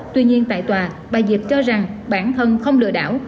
tuy nhiên tại tòa bà diệp cho rằng bản thân không lừa đảo